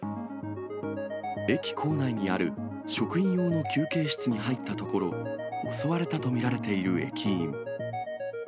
駅構内にある職員用の休憩室に入ったところ、襲われたと見られている駅員。